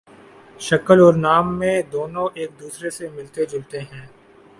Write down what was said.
شکل اور نام میں دونوں ایک دوسرے سے ملتے جلتے ہیں